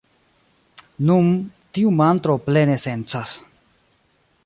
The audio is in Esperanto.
Nun, tiu mantro plene sencas.